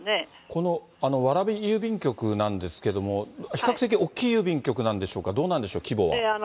この蕨郵便局なんですけども、比較的大きい郵便局なんでしょうか、どうなんでしょう、規模は？